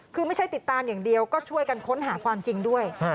คือไม่ใช่ติดตามอย่างเดียวก็ช่วยกันค้นหาความจริงด้วย